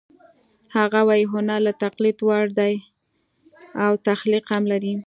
هغه وايي هنر له تقلید لوړ دی او تخلیق هم لري